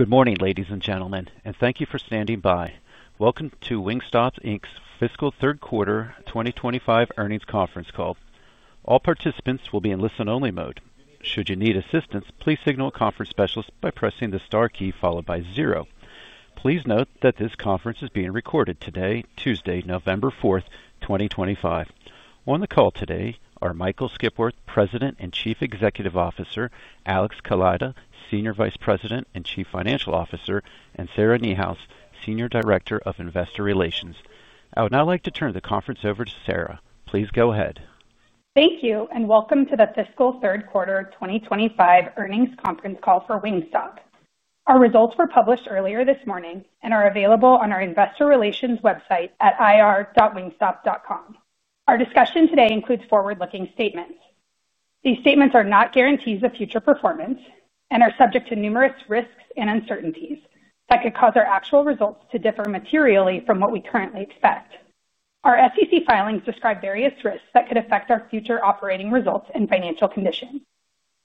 Good morning, ladies and gentlemen, and thank you for standing by. Welcome to Wingstop Inc.'s fiscal third quarter 2025 earnings conference call. All participants will be in listen-only mode. Should you need assistance, please signal a conference specialist by pressing the star key followed by zero. Please note that this conference is being recorded today, Tuesday, November 4th, 2025. On the call today are Michael Skipworth, President and Chief Executive Officer, Alex Kaleida, Senior Vice President and Chief Financial Officer, and Sarah Niehaus, Senior Director of Investor Relations. I would now like to turn the conference over to Sarah. Please go ahead. Thank you, and welcome to the fiscal third quarter 2025 earnings conference call for Wingstop. Our results were published earlier this morning and are available on our Investor Relations website at ir.wingstop.com. Our discussion today includes forward-looking statements. These statements are not guarantees of future performance and are subject to numerous risks and uncertainties that could cause our actual results to differ materially from what we currently expect. Our SEC filings describe various risks that could affect our future operating results and financial condition.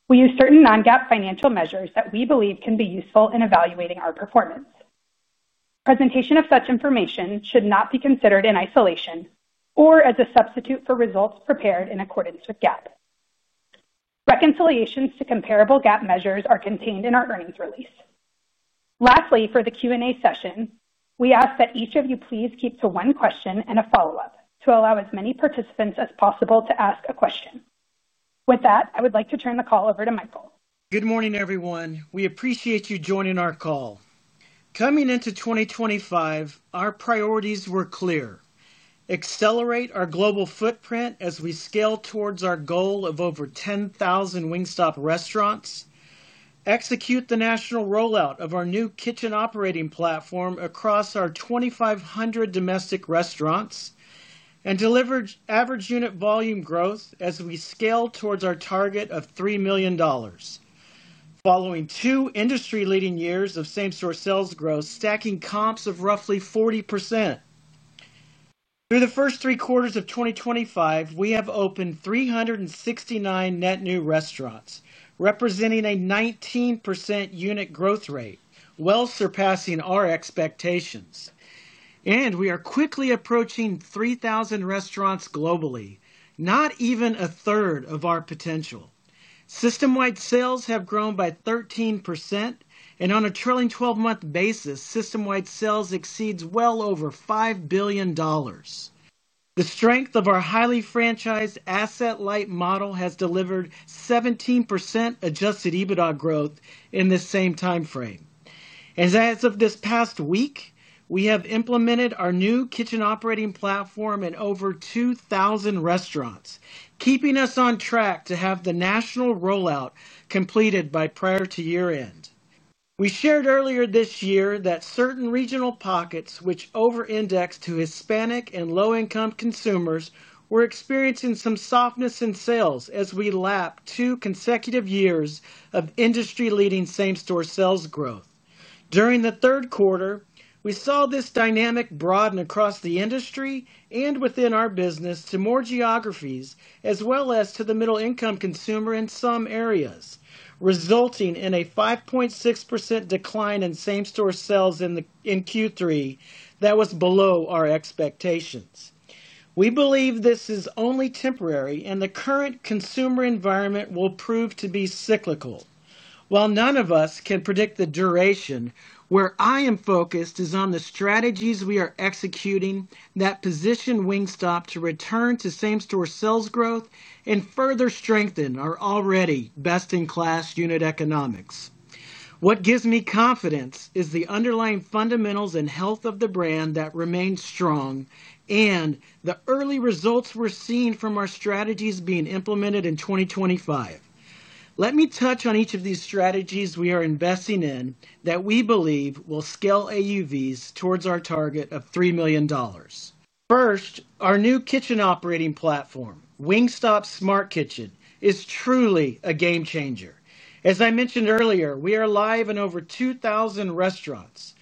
We use certain non-GAAP financial measures that we believe can be useful in evaluating our performance. Presentation of such information should not be considered in isolation or as a substitute for results prepared in accordance with GAAP. Reconciliations to comparable GAAP measures are contained in our earnings release. Lastly, for the Q&A session, we ask that each of you please keep to one question and a follow-up to allow as many participants as possible to ask a question. With that, I would like to turn the call over to Michael. Good morning, everyone. We appreciate you joining our call. Coming into 2025, our priorities were clear, accelerate our global footprint as we scale towards our goal of over 10,000 Wingstop restaurants, execute the national rollout of our new kitchen operating platform across our 2,500 domestic restaurants, and deliver average unit volume growth as we scale towards our target of $3 million. Following two industry-leading years of same-store sales growth, stacking comps of roughly 40%. Through the first three quarters of 2025, we have opened 369 net new restaurants, representing a 19% unit growth rate, well surpassing our expectations. And we are quickly approaching 3,000 restaurants globally, not even a third of our potential. System-wide sales have grown by 13%, and on a trailing 12-month basis, system-wide sales exceed well over $5 billion. The strength of our highly franchised asset-light model has delivered 17% Adjusted EBITDA growth in this same timeframe. As of this past week, we have implemented our new kitchen operating platform in over 2,000 restaurants, keeping us on track to have the national rollout completed prior to year-end. We shared earlier this year that certain regional pockets which over-index to Hispanic and low-income consumers were experiencing some softness in sales as we lapped two consecutive years of industry-leading same-store sales growth. During the third quarter, we saw this dynamic broaden across the industry and within our business to more geographies, as well as to the middle-income consumer in some areas, resulting in a 5.6% decline in same-store sales in Q3 that was below our expectations. We believe this is only temporary, and the current consumer environment will prove to be cyclical. While none of us can predict the duration, where I am focused is on the strategies we are executing that position Wingstop to return to same-store sales growth and further strengthen our already best-in-class unit economics. What gives me confidence is the underlying fundamentals and health of the brand that remain strong and the early results we're seeing from our strategies being implemented in 2025. Let me touch on each of these strategies we are investing in that we believe will scale AUVs towards our target of $3 million. First, our new kitchen operating platform, Wingstop Smart Kitchen, is truly a game changer. As I mentioned earlier, we are live in over 2,000 restaurants.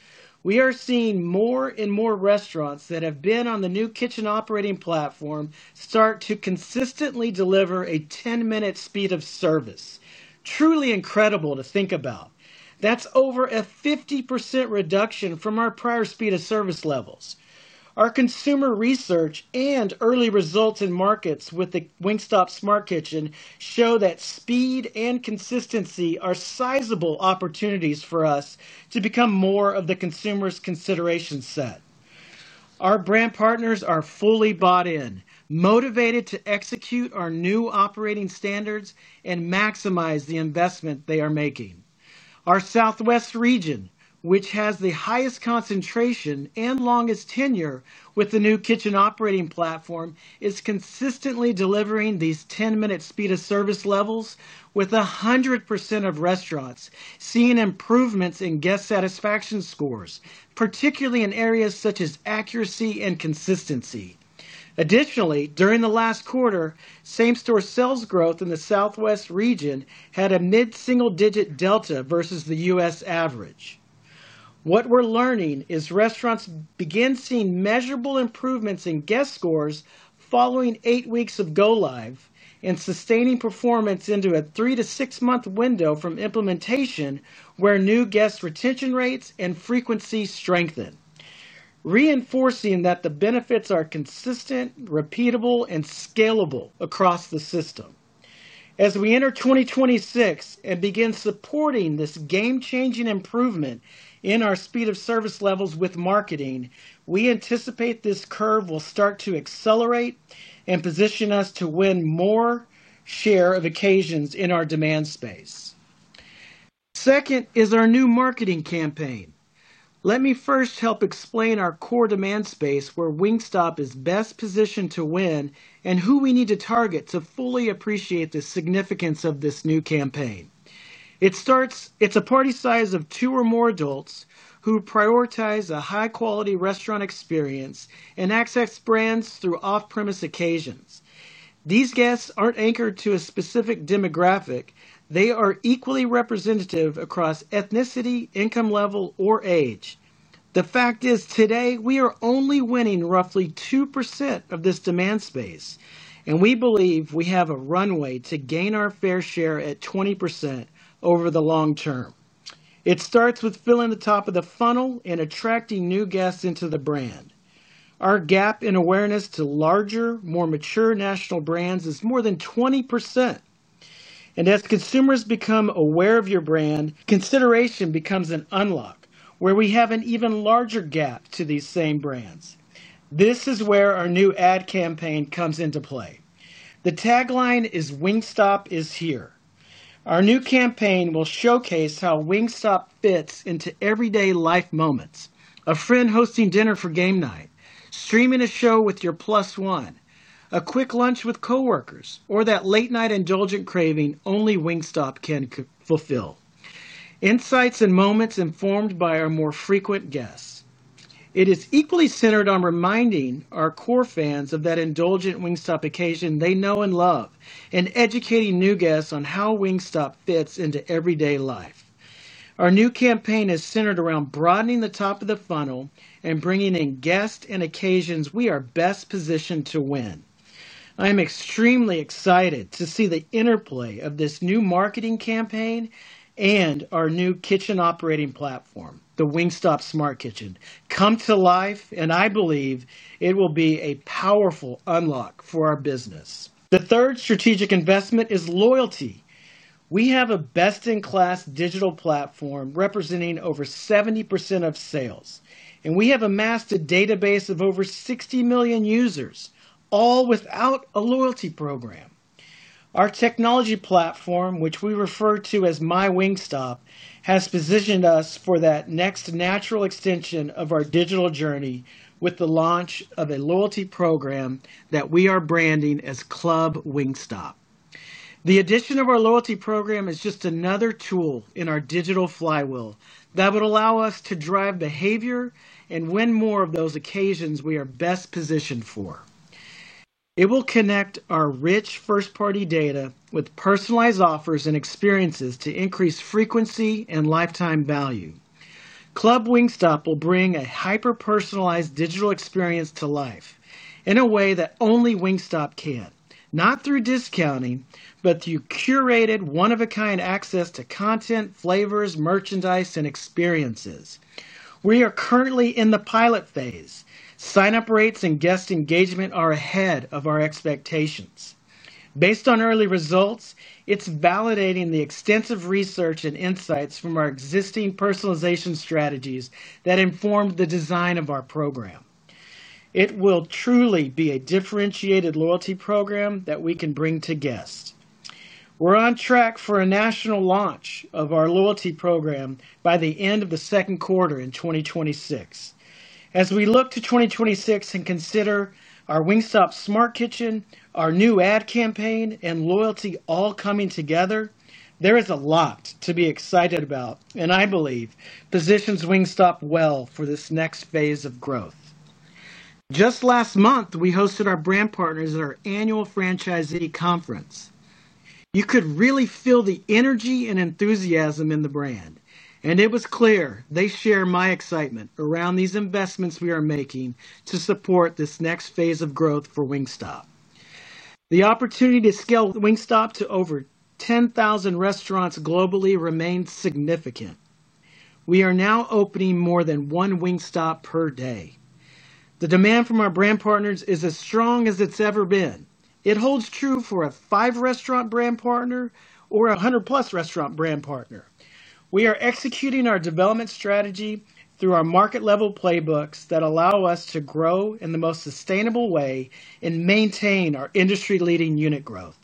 We are seeing more and more restaurants that have been on the new kitchen operating platform start to consistently deliver a 10-minute speed of service. Truly incredible to think about. That's over a 50% reduction from our prior speed of service levels. Our consumer research and early results in markets with the Wingstop Smart Kitchen show that speed and consistency are sizable opportunities for us to become more of the consumer's consideration set. Our brand partners are fully bought in, motivated to execute our new operating standards and maximize the investment they are making. Our Southwest region, which has the highest concentration and longest tenure with the new kitchen operating platform, is consistently delivering these 10-minute speed of service levels with 100% of restaurants seeing improvements in guest satisfaction scores, particularly in areas such as accuracy and consistency. Additionally, during the last quarter, same-store sales growth in the Southwest region had a mid-single-digit delta versus the U.S. average. What we're learning is restaurants begin seeing measurable improvements in guest scores following eight weeks of go-live and sustaining performance into a three- to six-month window from implementation where new guest retention rates and frequency strengthen. Reinforcing that the benefits are consistent, repeatable, and scalable across the system. As we enter 2026 and begin supporting this game-changing improvement in our speed of service levels with marketing, we anticipate this curve will start to accelerate and position us to win more share of occasions in our demand space. Second is our new marketing campaign. Let me first help explain our core demand space where Wingstop is best positioned to win and who we need to target to fully appreciate the significance of this new campaign. It starts, it's a party size of two or more adults who prioritize a high-quality restaurant experience and access brands through off-premise occasions. These guests aren't anchored to a specific demographic. They are equally representative across ethnicity, income level, or age. The fact is, today, we are only winning roughly 2% of this demand space, and we believe we have a runway to gain our fair share at 20% over the long term. It starts with filling the top of the funnel and attracting new guests into the brand. Our gap in awareness to larger, more mature national brands is more than 20%, and as consumers become aware of your brand, consideration becomes an unlock where we have an even larger gap to these same brands. This is where our new ad campaign comes into play. The tagline is, "Wingstop is here." Our new campaign will showcase how Wingstop fits into everyday life moments, a friend hosting dinner for game night, streaming a show with your plus one, a quick lunch with coworkers, or that late-night indulgent craving only Wingstop can fulfill. Insights and moments informed by our more frequent guests. It is equally centered on reminding our core fans of that indulgent Wingstop occasion they know and love and educating new guests on how Wingstop fits into everyday life. Our new campaign is centered around broadening the top of the funnel and bringing in guests and occasions we are best positioned to win. I am extremely excited to see the interplay of this new marketing campaign and our new kitchen operating platform, the Wingstop Smart Kitchen, come to life, and I believe it will be a powerful unlock for our business. The third strategic investment is loyalty. We have a best-in-class digital platform representing over 70% of sales, and we have amassed a database of over 60 million users, all without a loyalty program. Our technology platform, which we refer to as MyWingstop, has positioned us for that next natural extension of our digital journey with the launch of a loyalty program that we are branding as Club Wingstop. The addition of our loyalty program is just another tool in our digital flywheel that would allow us to drive behavior and win more of those occasions we are best positioned for. It will connect our rich first-party data with personalized offers and experiences to increase frequency and lifetime value. Club Wingstop will bring a hyper-personalized digital experience to life in a way that only Wingstop can, not through discounting, but through curated, one-of-a-kind access to content, flavors, merchandise, and experiences. We are currently in the pilot phase. Sign-up rates and guest engagement are ahead of our expectations. Based on early results, it's validating the extensive research and insights from our existing personalization strategies that inform the design of our program. It will truly be a differentiated loyalty program that we can bring to guests. We're on track for a national launch of our loyalty program by the end of the second quarter in 2026. As we look to 2026 and consider our Wingstop Smart Kitchen, our new ad campaign, and loyalty all coming together, there is a lot to be excited about, and I believe positions Wingstop well for this next phase of growth. Just last month, we hosted our brand partners at our annual franchisee conference. You could really feel the energy and enthusiasm in the brand, and it was clear they share my excitement around these investments we are making to support this next phase of growth for Wingstop. The opportunity to scale Wingstop to over 10,000 restaurants globally remains significant. We are now opening more than one Wingstop per day. The demand from our brand partners is as strong as it's ever been. It holds true for a five-restaurant brand partner or a hundred-plus-restaurant brand partner. We are executing our development strategy through our market-level playbooks that allow us to grow in the most sustainable way and maintain our industry-leading unit growth.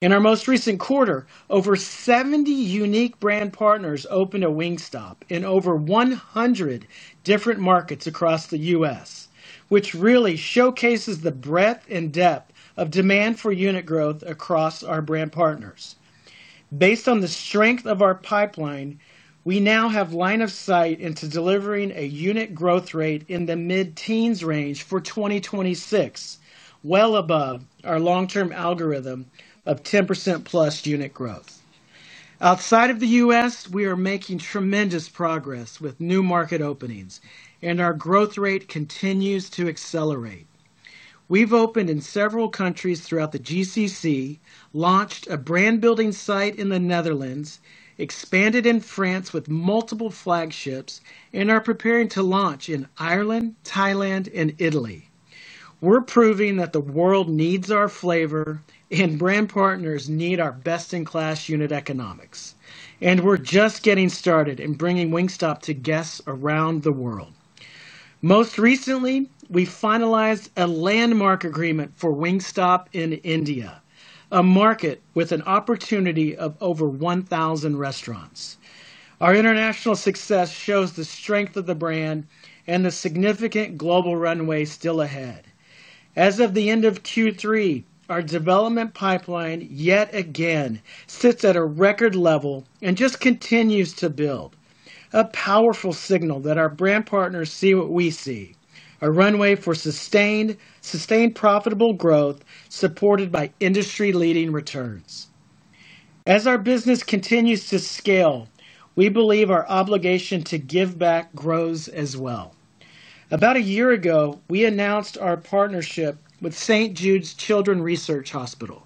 In our most recent quarter, over 70 unique brand partners opened a Wingstop in over 100 different markets across the U.S., which really showcases the breadth and depth of demand for unit growth across our brand partners. Based on the strength of our pipeline, we now have line of sight into delivering a unit growth rate in the mid-teens range for 2026. Well above our long-term algorithm of 10%+ unit growth. Outside of the U.S., we are making tremendous progress with new market openings, and our growth rate continues to accelerate. We've opened in several countries throughout the GCC, launched a brand-building site in the Netherlands, expanded in France with multiple flagships, and are preparing to launch in Ireland, Thailand, and Italy. We're proving that the world needs our flavor, and brand partners need our best-in-class unit economics, and we're just getting started in bringing Wingstop to guests around the world. Most recently, we finalized a landmark agreement for Wingstop in India, a market with an opportunity of over 1,000 restaurants. Our international success shows the strength of the brand and the significant global runway still ahead. As of the end of Q3, our development pipeline yet again sits at a record level and just continues to build. A powerful signal that our brand partners see what we see, a runway for sustained profitable growth supported by industry-leading returns. As our business continues to scale, we believe our obligation to give back grows as well. About a year ago, we announced our partnership with St. Jude Children's Research Hospital.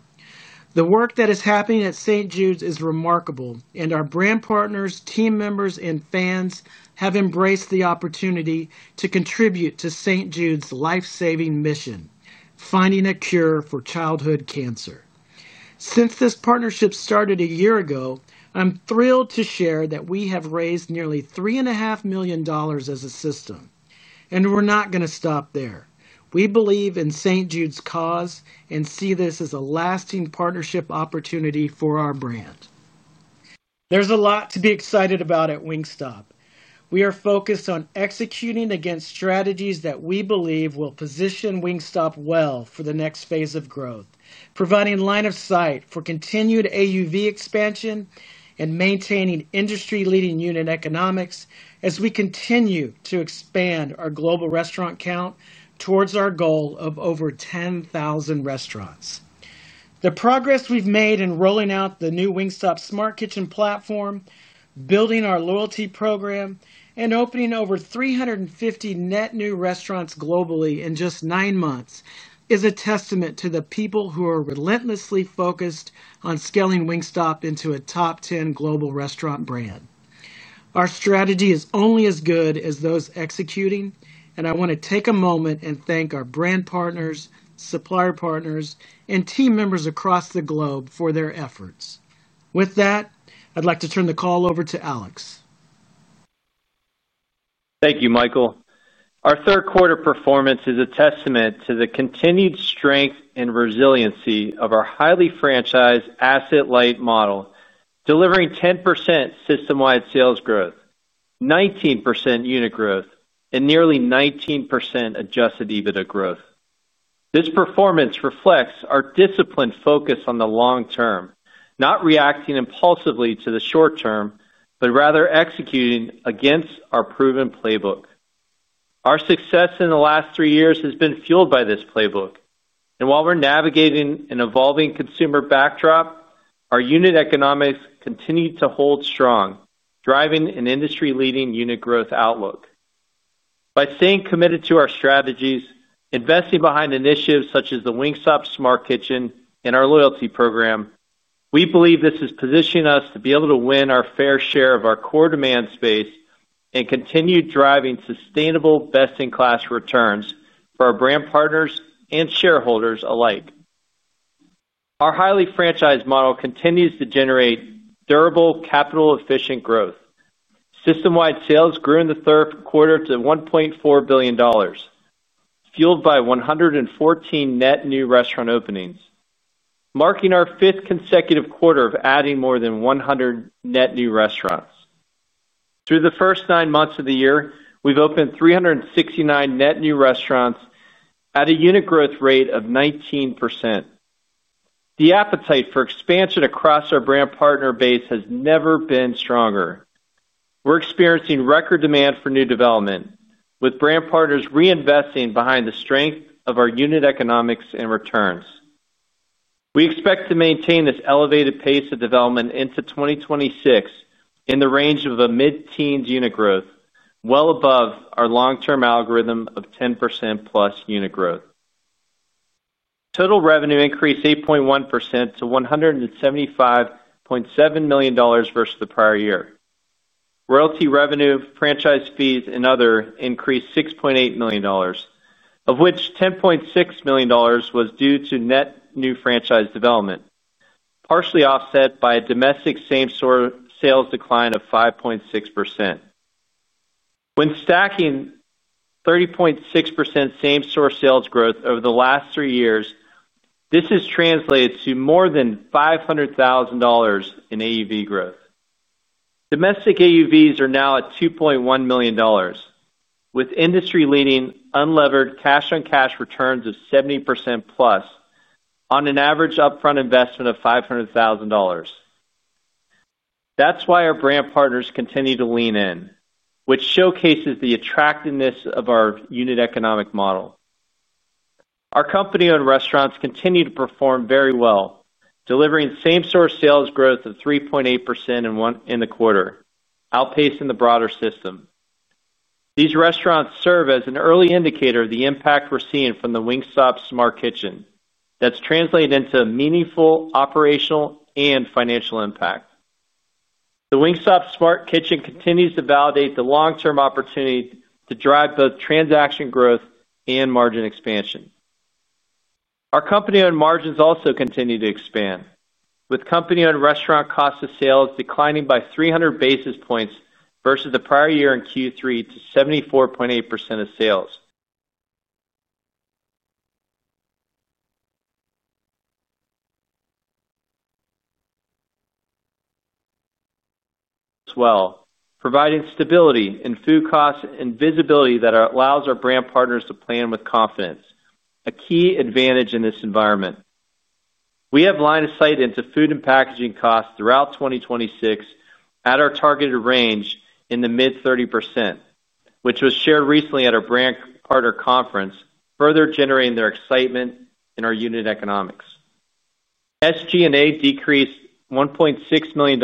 The work that is happening at St. Jude's is remarkable, and our brand partners, team members, and fans have embraced the opportunity to contribute to St. Jude's lifesaving mission, finding a cure for childhood cancer. Since this partnership started a year ago, I'm thrilled to share that we have raised nearly $3.5 million as a system, and we're not going to stop there. We believe in St. Jude's cause and see this as a lasting partnership opportunity for our brand. There's a lot to be excited about at Wingstop. We are focused on executing against strategies that we believe will position Wingstop well for the next phase of growth, providing line of sight for continued AUV expansion and maintaining industry-leading unit economics as we continue to expand our global restaurant count towards our goal of over 10,000 restaurants. The progress we've made in rolling out the new Wingstop Smart Kitchen platform, building our loyalty program, and opening over 350 net new restaurants globally in just nine months is a testament to the people who are relentlessly focused on scaling Wingstop into a top 10 global restaurant brand. Our strategy is only as good as those executing, and I want to take a moment and thank our brand partners, supplier partners, and team members across the globe for their efforts. With that, I'd like to turn the call over to Alex. Thank you, Michael. Our third-quarter performance is a testament to the continued strength and resiliency of our highly franchised asset-light model, delivering 10% system-wide sales growth, 19% unit growth, and nearly 19% adjusted EBITDA growth. This performance reflects our disciplined focus on the long term, not reacting impulsively to the short term, but rather executing against our proven playbook. Our success in the last three years has been fueled by this playbook. And while we're navigating an evolving consumer backdrop, our unit economics continue to hold strong, driving an industry-leading unit growth outlook. By staying committed to our strategies, investing behind initiatives such as the Wingstop Smart Kitchen and our loyalty program, we believe this is positioning us to be able to win our fair share of our core demand space and continue driving sustainable, best-in-class returns for our brand partners and shareholders alike. Our highly franchised model continues to generate durable, capital-efficient growth. System-wide sales grew in the third quarter to $1.4 billion. Fueled by 114 net new restaurant openings, marking our fifth consecutive quarter of adding more than 100 net new restaurants. Through the first nine months of the year, we've opened 369 net new restaurants at a unit growth rate of 19%. The appetite for expansion across our brand partner base has never been stronger. We're experiencing record demand for new development, with brand partners reinvesting behind the strength of our unit economics and returns. We expect to maintain this elevated pace of development into 2026 in the range of a mid-teens unit growth, well above our long-term algorithm of 10%+ unit growth. Total revenue increased 8.1% to $175.7 million versus the prior year. Loyalty revenue, franchise fees, and other increased $6.8 million, of which $10.6 million was due to net new franchise development. Partially offset by a domestic same-store sales decline of 5.6%. When stacking 30.6% same-store sales growth over the last three years, this is translated to more than $500,000 in AUV growth. Domestic AUVs are now at $2.1 million, with industry-leading unlevered cash-on-cash returns of 70%+ on an average upfront investment of $500,000. That's why our brand partners continue to lean in, which showcases the attractiveness of our unit economic model. Our company-owned restaurants continue to perform very well, delivering same-store sales growth of 3.8% in the quarter, outpacing the broader system. These restaurants serve as an early indicator of the impact we're seeing from the Wingstop Smart Kitchen. That's translated into meaningful operational and financial impact. The Wingstop Smart Kitchen continues to validate the long-term opportunity to drive both transaction growth and margin expansion. Our company-owned margins also continue to expand, with company-owned restaurant cost of sales declining by 300 basis points versus the prior year in Q3 to 74.8% of sales. As well, providing stability in food costs and visibility that allows our brand partners to plan with confidence, a key advantage in this environment. We have line of sight into food and packaging costs throughout 2026 at our targeted range in the mid-30%, which was shared recently at our brand partner conference, further generating their excitement in our unit economics. SG&A decreased $1.6 million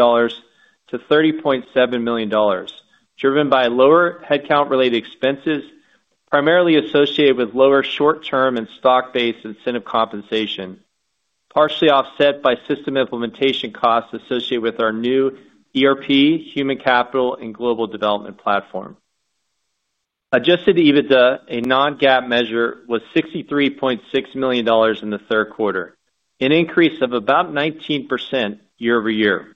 to $30.7 million, driven by lower headcount-related expenses primarily associated with lower short-term and stock-based incentive compensation, partially offset by system implementation costs associated with our new ERP, human capital, and global development platform. Adjusted EBITDA, a non-GAAP measure, was $63.6 million in the third quarter, an increase of about 19% year over year.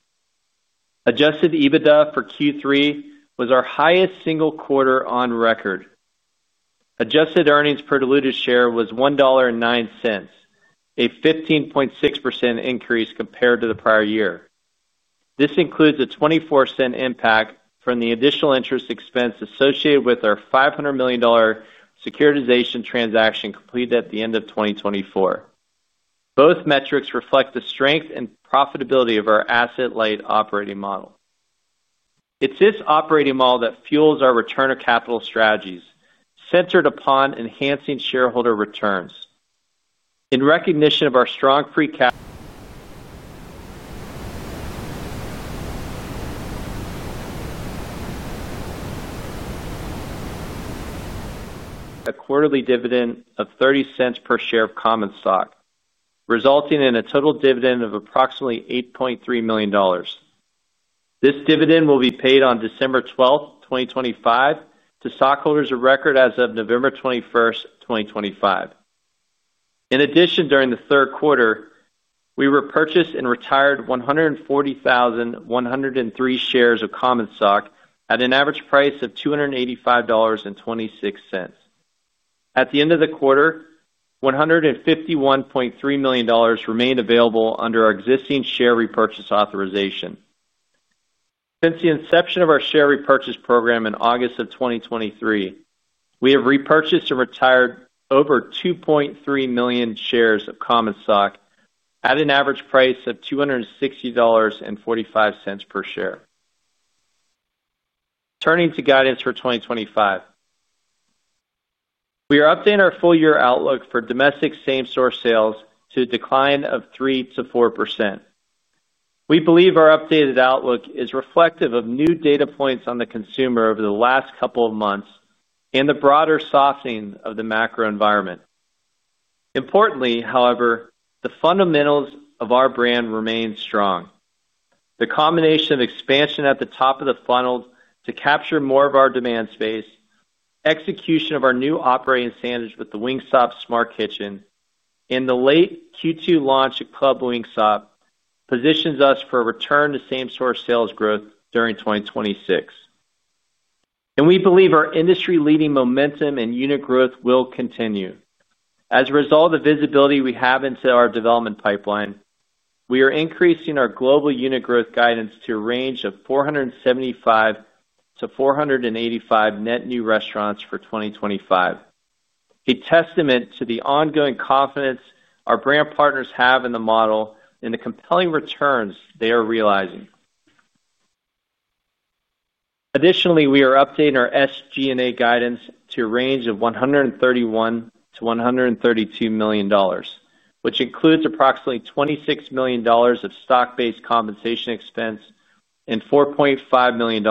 Adjusted EBITDA for Q3 was our highest single quarter on record. Adjusted earnings per diluted share was $1.09, a 15.6% increase compared to the prior year. This includes a 24% impact from the additional interest expense associated with our $500 million securitization transaction completed at the end of 2024. Both metrics reflect the strength and profitability of our asset-light operating model. It's this operating model that fuels our return of capital strategies, centered upon enhancing shareholder returns. In recognition of our strong pre-capex, a quarterly dividend of 30 cents per share of common stock, resulting in a total dividend of approximately $8.3 million. This dividend will be paid on December 12th, 2025, to stockholders of record as of November 21st, 2025. In addition, during the third quarter, we repurchased and retired 140,103 shares of common stock at an average price of $285.26. At the end of the quarter, $151.3 million remained available under our existing share repurchase authorization. Since the inception of our share repurchase program in August of 2023, we have repurchased and retired over 2.3 million shares of common stock at an average price of $260.45 per share. Turning to guidance for 2025. We are updating our full-year outlook for domestic same-store sales to a decline of 3%-4%. We believe our updated outlook is reflective of new data points on the consumer over the last couple of months and the broader softening of the macro environment. Importantly, however, the fundamentals of our brand remain strong. The combination of expansion at the top of the funnel to capture more of our demand space, execution of our new operating standard with the Wingstop Smart Kitchen, and the late Q2 launch of Club Wingstop positions us for a return to same-store sales growth during 2026, and we believe our industry-leading momentum and unit growth will continue. As a result of the visibility we have into our development pipeline, we are increasing our global unit growth guidance to a range of 475-485 net new restaurants for 2025. A testament to the ongoing confidence our brand partners have in the model and the compelling returns they are realizing. Additionally, we are updating our SG&A guidance to a range of $131 milllion-$132 million, which includes approximately $26 million of stock-based compensation expense and $4.5 million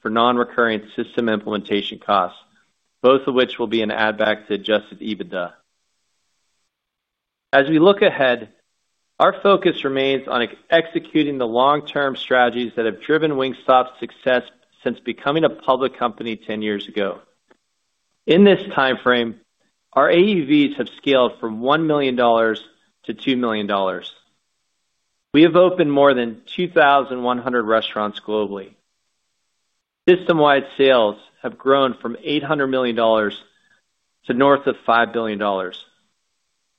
for non-recurring system implementation costs, both of which will be an add-back to adjusted EBITDA. As we look ahead, our focus remains on executing the long-term strategies that have driven Wingstop's success since becoming a public company 10 years ago. In this timeframe, our AUVs have scaled from $1 million-$2 million. We have opened more than 2,100 restaurants globally. System-wide sales have grown from $800 million to north of $5 billion.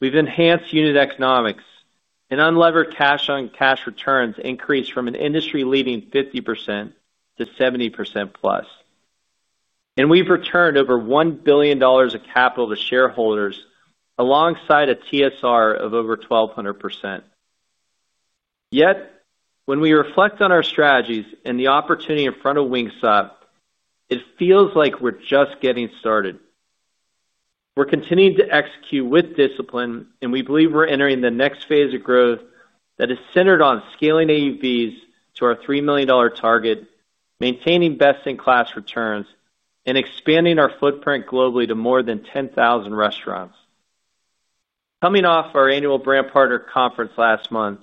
We've enhanced unit economics, and unlevered cash-on-cash returns increased from an industry-leading 50%-70%+, and we've returned over $1 billion of capital to shareholders alongside a TSR of over 1,200%. Yet, when we reflect on our strategies and the opportunity in front of Wingstop, it feels like we're just getting started. We're continuing to execute with discipline, and we believe we're entering the next phase of growth that is centered on scaling AUVs to our $3 million target, maintaining best-in-class returns, and expanding our footprint globally to more than 10,000 restaurants. Coming off our annual brand partner conference last month,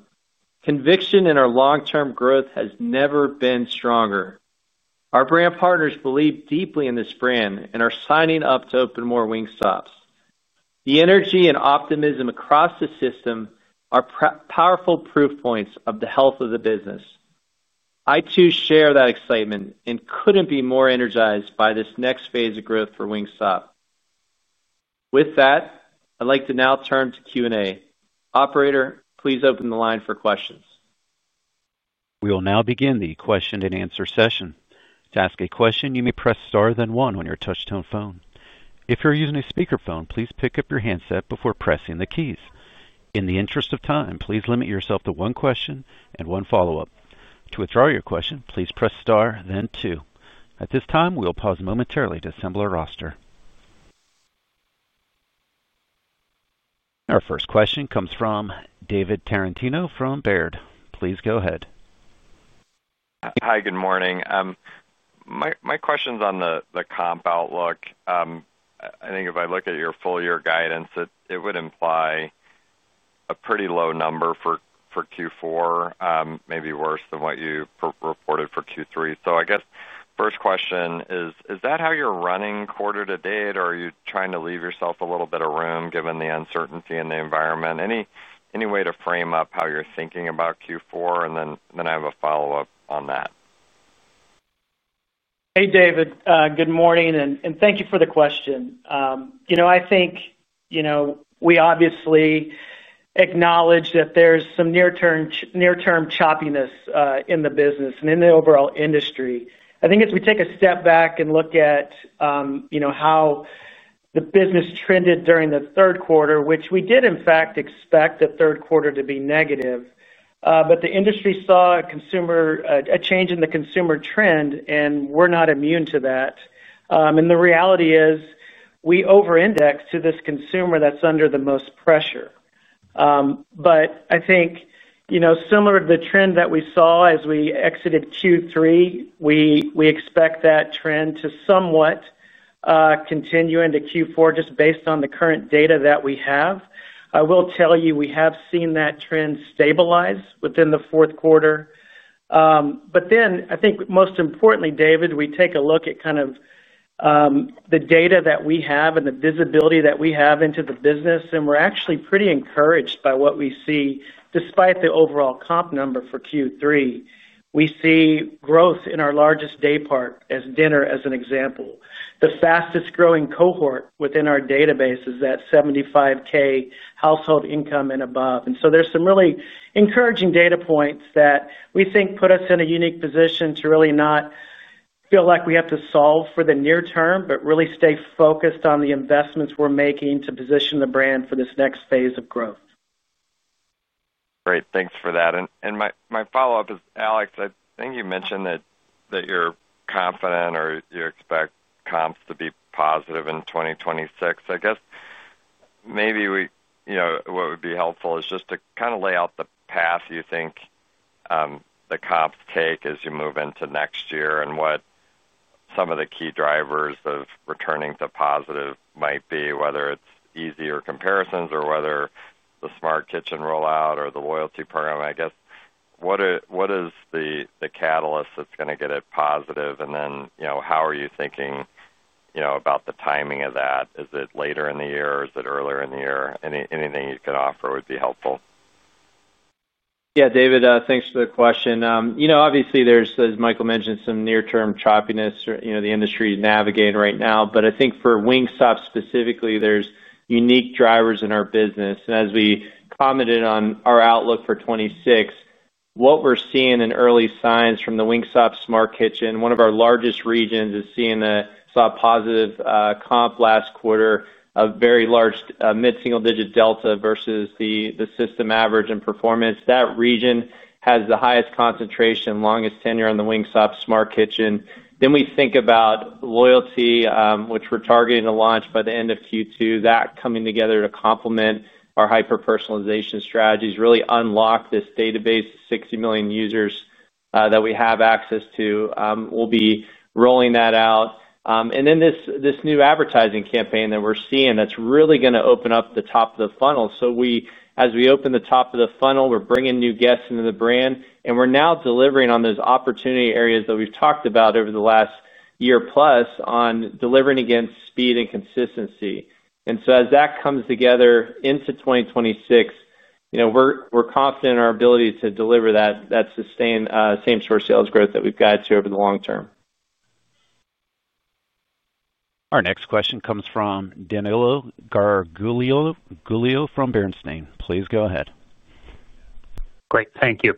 conviction in our long-term growth has never been stronger. Our brand partners believe deeply in this brand and are signing up to open more Wingstops. The energy and optimism across the system are powerful proof points of the health of the business. I too share that excitement and couldn't be more energized by this next phase of growth for Wingstop. With that, I'd like to now turn to Q&A. Operator, please open the line for questions. We will now begin the question-and-answer session. To ask a question, you may press star then one on your touch-tone phone. If you're using a speakerphone, please pick up your handset before pressing the keys. In the interest of time, please limit yourself to one question and one follow-up. To withdraw your question, please press star then two. At this time, we'll pause momentarily to assemble our roster. Our first question comes from David Tarantino from Baird. Please go ahead. Hi, good morning. My question's on the comp outlook. I think if I look at your full-year guidance, it would imply a pretty low number for Q4, maybe worse than what you reported for Q3. So I guess first question is, is that how you're running quarter to date, or are you trying to leave yourself a little bit of room given the uncertainty in the environment? Any way to frame up how you're thinking about Q4? And then I have a follow-up on that. Hey, David. Good morning, and thank you for the question. I think we obviously acknowledge that there's some near-term choppiness in the business and in the overall industry. I think as we take a step back and look at how the business trended during the third quarter, which we did in fact expect the third quarter to be negative, but the industry saw a change in the consumer trend, and we're not immune to that. And the reality is we over-index to this consumer that's under the most pressure. But I think similar to the trend that we saw as we exited Q3, we expect that trend to somewhat continue into Q4 just based on the current data that we have. I will tell you we have seen that trend stabilize within the fourth quarter. But then I think most importantly, David, we take a look at kind of the data that we have and the visibility that we have into the business, and we're actually pretty encouraged by what we see despite the overall comp number for Q3. We see growth in our largest day part, as dinner as an example. The fastest-growing cohort within our database is that 75K household income and above. And so there's some really encouraging data points that we think put us in a unique position to really not feel like we have to solve for the near term, but really stay focused on the investments we're making to position the brand for this next phase of growth. Great. Thanks for that. My follow-up is, Alex, I think you mentioned that you're confident or you expect comps to be positive in 2026 I guess maybe what would be helpful is just to kind of lay out the path you think the comps take as you move into next year and what some of the key drivers of returning to positive might be, whether it's easier comparisons or whether the Smart Kitchen rollout or the loyalty program. I guess what is the catalyst that's going to get it positive? And then how are you thinking about the timing of that? Is it later in the year? Is it earlier in the year? Anything you could offer would be helpful. Yeah, David, thanks for the question. Obviously, there's, as Michael mentioned, some near-term choppiness the industry is navigating right now, but I think for Wingstop specifically, there's unique drivers in our business. And as we commented on our outlook for 2026, what we're seeing in early signs from the Wingstop Smart Kitchen, one of our largest regions, is seeing a positive comp last quarter, a very large mid-single-digit delta versus the system average and performance. That region has the highest concentration and longest tenure on the Wingstop Smart Kitchen. Then we think about loyalty, which we're targeting to launch by the end of Q2, that coming together to complement our hyper-personalization strategies, really unlock this database, 60 million users that we have access to. We'll be rolling that out. And then this new advertising campaign that we're seeing that's really going to open up the top of the funnel. So as we open the top of the funnel, we're bringing new guests into the brand, and we're now delivering on those opportunity areas that we've talked about over the last year plus on delivering against speed and consistency. And so as that comes together into 2026, we're confident in our ability to deliver that same-store sales growth that we've guided to over the long term. Our next question comes from Danilo Gargiulo from Bernstein. Please go ahead. Great. Thank you.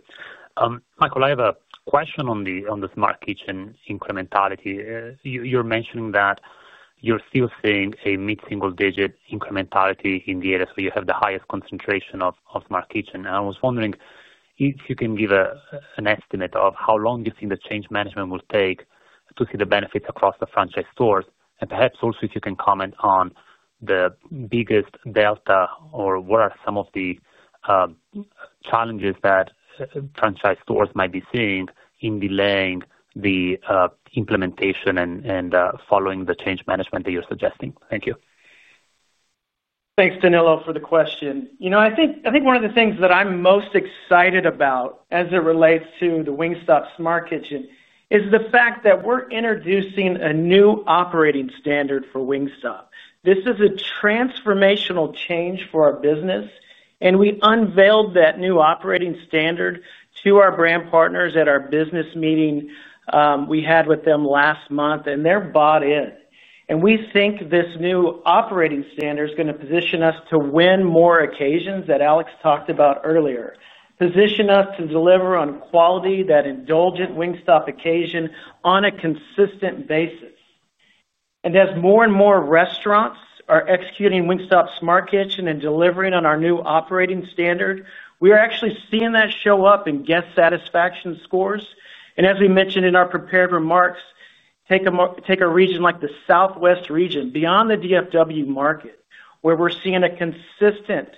Michael, I have a question on the Smart Kitchen incrementality. You're mentioning that you're still seeing a mid-single-digit incrementality in the areas where you have the highest concentration of Smart Kitchen. And I was wondering if you can give an estimate of how long you think the change management will take to see the benefits across the franchise stores, and perhaps also if you can comment on the biggest delta or what are some of the challenges that franchise stores might be seeing in delaying the implementation and following the change management that you're suggesting. Thank you. Thanks, Danilo, for the question. I think one of the things that I'm most excited about as it relates to the Wingstop Smart Kitchen is the fact that we're introducing a new operating standard for Wingstop. This is a transformational change for our business. And we unveiled that new operating standard to our brand partners at our business meeting we had with them last month, and they're bought in. And we think this new operating standard is going to position us to win more occasions that Alex talked about earlier, position us to deliver on quality, that indulgent Wingstop occasion on a consistent basis. And as more and more restaurants are executing Wingstop Smart Kitchen and delivering on our new operating standard, we are actually seeing that show up in guest satisfaction scores. And as we mentioned in our prepared remarks, take a region like the Southwest region beyond the DFW market, where we're seeing a consistent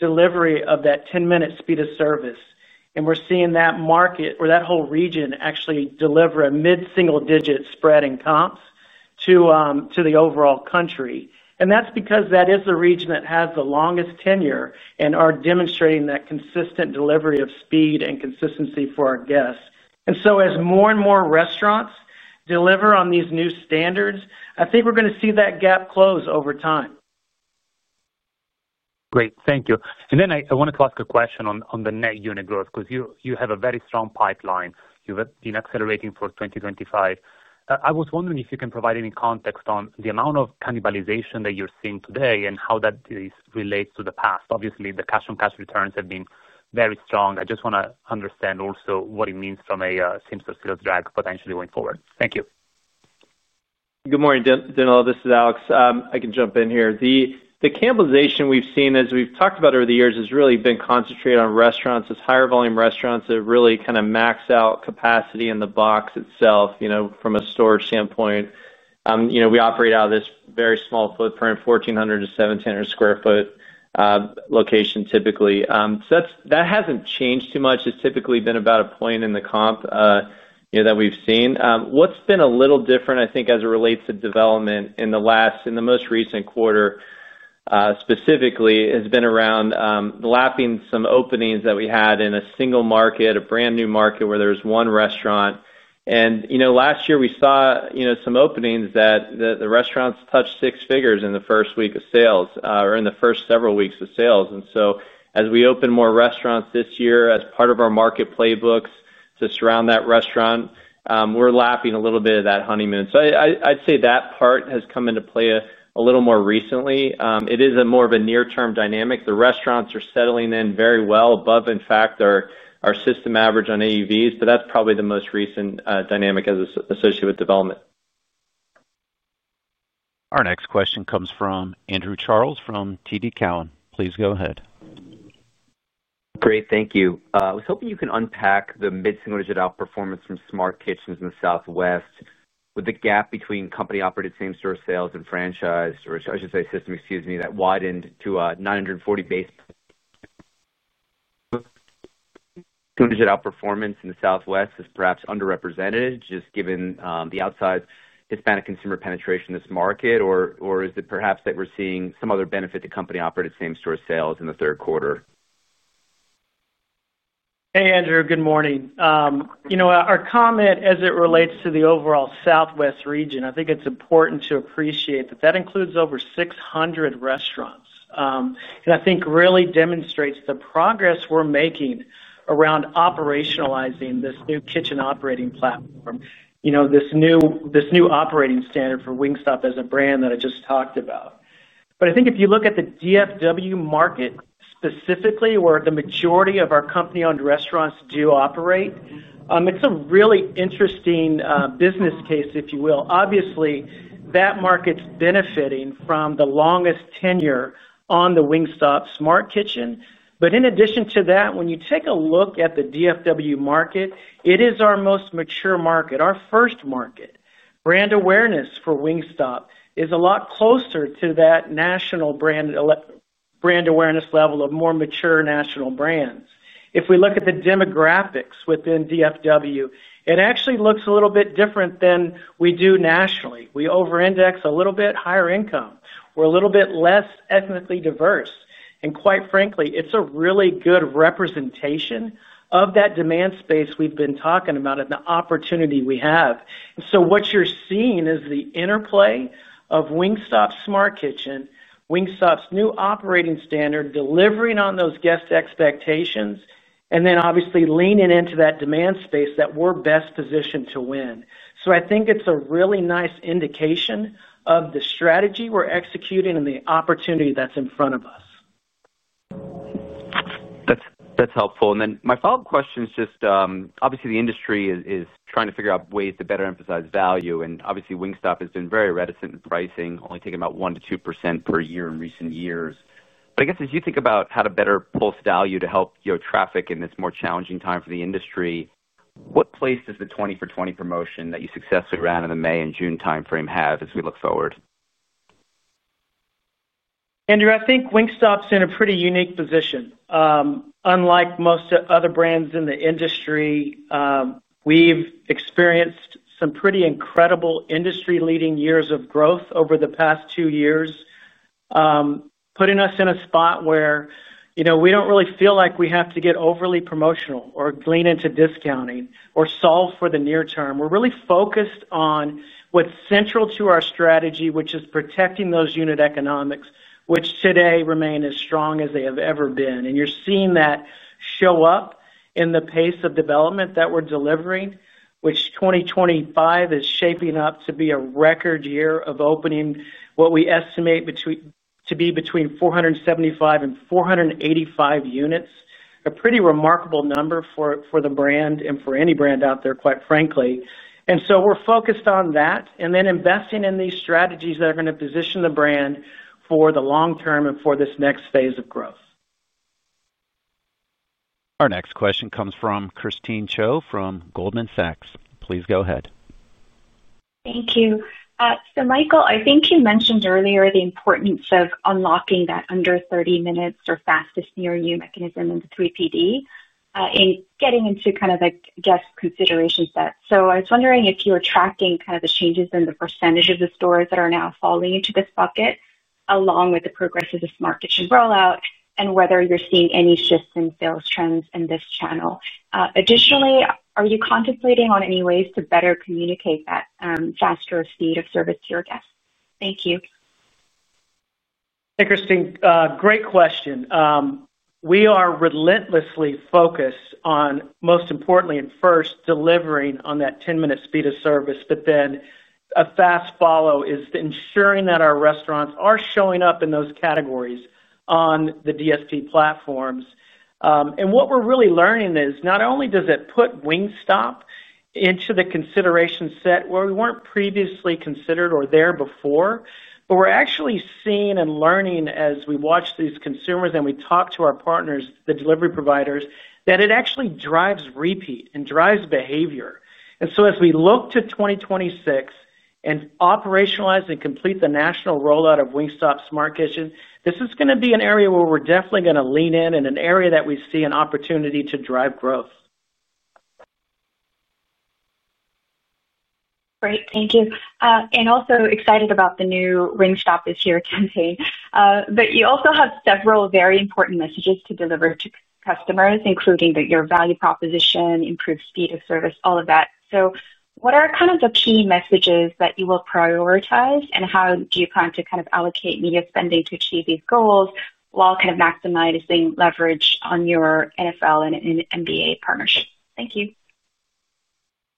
delivery of that 10-minute speed of service. And we're seeing that market or that whole region actually deliver a mid-single-digit spread in comps to the overall country. And that's because that is the region that has the longest tenure and are demonstrating that consistent delivery of speed and consistency for our guests. And so as more and more restaurants deliver on these new standards, I think we're going to see that gap close over time. Great. Thank you. And then I wanted to ask a question on the net unit growth because you have a very strong pipeline you've been accelerating for 2025. I was wondering if you can provide any context on the amount of cannibalization that you're seeing today and how that relates to the past. Obviously, the cash-on-cash returns have been very strong. I just want to understand also what it means from a Wingstop silos drag potentially going forward. Thank you. Good morning, Danilo. This is Alex. I can jump in here. The cannibalization we've seen, as we've talked about over the years, has really been concentrated on restaurants, those higher-volume restaurants that really kind of max out capacity in the box itself from a storage standpoint. We operate out of this very small footprint, 1,400 sq ft-1,700 sq ft location typically. So that hasn't changed too much. It's typically been about a point in the comp. That we've seen. What's been a little different, I think, as it relates to development in the most recent quarter specifically, has been around lapping some openings that we had in a single market, a brand new market where there was one restaurant. And last year, we saw some openings that the restaurants touched six figures in the first week of sales or in the first several weeks of sales. And so as we open more restaurants this year as part of our market playbooks to surround that restaurant, we're lapping a little bit of that honeymoon. So I'd say that part has come into play a little more recently. It is more of a near-term dynamic. The restaurants are settling in very well above, in fact, our system average on AUVs, but that's probably the most recent dynamic associated with development. Our next question comes from Andrew Charles from TD Cowen. Please go ahead. Great. Thank you. I was hoping you can unpack the mid-single-digit outperformance from Smart Kitchens in the Southwest with the gap between company-operated same-store sales and franchised, or I should say system, excuse me, that widened to 940 basis points. Outperformance in the Southwest is perhaps underrepresented just given the outside Hispanic consumer penetration in this market, or is it perhaps that we're seeing some other benefit to company-operated same-store sales in the third quarter? Hey, Andrew. Good morning. Our comment as it relates to the overall Southwest region. I think it's important to appreciate that that includes over 600 restaurants. I think it really demonstrates the progress we're making around operationalizing this new kitchen operating platform, this new operating standard for Wingstop as a brand that I just talked about. But I think if you look at the DFW market specifically, where the majority of our company-owned restaurants do operate, it's a really interesting business case, if you will. Obviously, that market's benefiting from the longest tenure on the Wingstop Smart Kitchen. But in addition to that, when you take a look at the DFW market, it is our most mature market, our first market. Brand awareness for Wingstop is a lot closer to that national brand awareness level of more mature national brands. If we look at the demographics within DFW, it actually looks a little bit different than we do nationally. We over-index a little bit higher income. We're a little bit less ethnically diverse. Quite frankly, it's a really good representation of that demand space we've been talking about and the opportunity we have. What you're seeing is the interplay of Wingstop Smart Kitchen, Wingstop's new operating standard, delivering on those guest expectations, and then obviously leaning into that demand space that we're best positioned to win. I think it's a really nice indication of the strategy we're executing and the opportunity that's in front of us. That's helpful. My follow-up question is just, obviously, the industry is trying to figure out ways to better emphasize value. Obviously, Wingstop has been very reticent in pricing, only taking about 1%-2% per year in recent years. But I guess as you think about how to better post value to help traffic in this more challenging time for the industry, what place does the 20 for 20 promotion that you successfully ran in the May and June timeframe have as we look forward? Andrew, I think Wingstop's in a pretty unique position. Unlike most other brands in the industry. We've experienced some pretty incredible industry-leading years of growth over the past two years, putting us in a spot where we don't really feel like we have to get overly promotional or lean into discounting or solve for the near term. We're really focused on what's central to our strategy, which is protecting those unit economics, which today remain as strong as they have ever been. And you're seeing that show up in the pace of development that we're delivering, which, 2025, is shaping up to be a record year of opening what we estimate to be between 475 and 485 units, a pretty remarkable number for the brand and for any brand out there, quite frankly. And so we're focused on that and then investing in these strategies that are going to position the brand for the long term and for this next phase of growth. Our next question comes from Christine Cho from Goldman Sachs. Please go ahead. Thank you. So Michael, I think you mentioned earlier the importance of unlocking that under 30 minutes or fastest near you mechanism in the 3PD. And getting into kind of the guest consideration set. So I was wondering if you were tracking kind of the changes in the percentage of the stores that are now falling into this bucket along with the progress of the Smart Kitchen rollout and whether you're seeing any shifts in sales trends in this channel. Additionally, are you contemplating on any ways to better communicate that faster speed of service to your guests? Thank you. Hey, Christine. Great question. We are relentlessly focused on, most importantly, and first, delivering on that 10-minute speed of service, but then a fast follow is ensuring that our restaurants are showing up in those categories on the DSP platforms. And what we're really learning is not only does it put Wingstop into the consideration set where we weren't previously considered or there before, but we're actually seeing and learning as we watch these consumers and we talk to our partners, the delivery providers, that it actually drives repeat and drives behavior. And so as we look to 2026 and operationalize and complete the national rollout of Wingstop Smart Kitchen, this is going to be an area where we're definitely going to lean in and an area that we see an opportunity to drive growth. Great. Thank you. And also excited about the new Wingstop is here campaign. But you also have several very important messages to deliver to customers, including your value proposition, improved speed of service, all of that. So what are kind of the key messages that you will prioritize, and how do you plan to kind of allocate media spending to achieve these goals while kind of maximizing leverage on your NFL and NBA partnership? Thank you.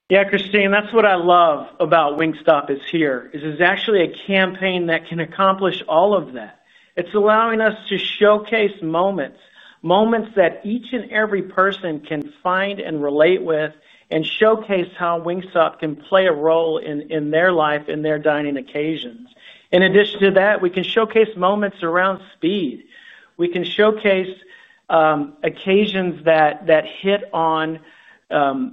Yeah, Christine, that's what I love about Wingstop is here, is it's actually a campaign that can accomplish all of that. It's allowing us to showcase moments, moments that each and every person can find and relate with and showcase how Wingstop can play a role in their life, in their dining occasions. In addition to that, we can showcase moments around speed. We can showcase occasions that hit on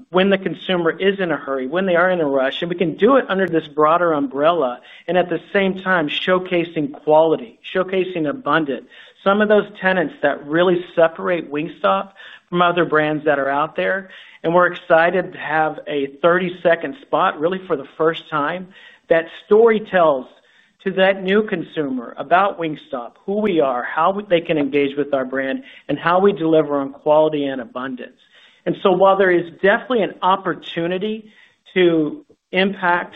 when the consumer is in a hurry, when they are in a rush, and we can do it under this broader umbrella and at the same time showcasing quality, showcasing abundance, some of those tenets that really separate Wingstop from other brands that are out there. And we're excited to have a 30-second spot, really for the first time, that story tells to that new consumer about Wingstop, who we are, how they can engage with our brand, and how we deliver on quality and abundance. And so while there is definitely an opportunity to impact